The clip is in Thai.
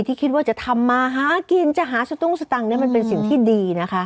ที่คิดว่าจะทำมาหากินจะหาสตุ้งสตังค์มันเป็นสิ่งที่ดีนะคะ